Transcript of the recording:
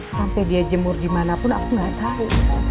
sampai dia jemur dimanapun aku gak tau